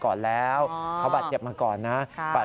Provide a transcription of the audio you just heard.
ตอนแรกก็ไม่แน่ใจนะคะ